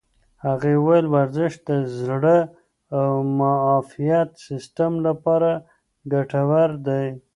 هغې وویل ورزش د زړه او معافیت سیستم لپاره ګټور دی.